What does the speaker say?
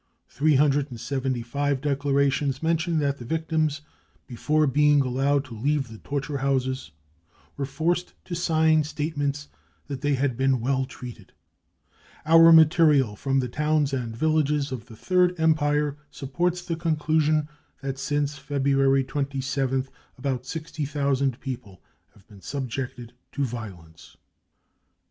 Three hundred and seventy five declarations mention that the victims, before being allowed to leave the torture houses, were forced to sign statements that they had been 44 well treated. 5 ' Our material from the towns, and villages of the Third Empire supports the conclusion that since February 27th about sixty thousand people have been subjected to violence.